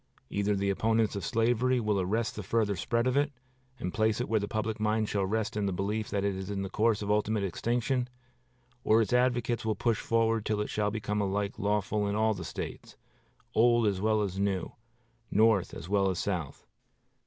Either the opponents of slavery will arrest the further spread of it, and place it where the public mind shall rest in the belief that it is in the course of ultimate extinction, or its advocates will push it forward till it shall become alike lawful in all the States, old as well as new, North as well as South."